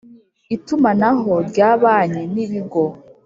Itumanaho rya Amabanki n ibigo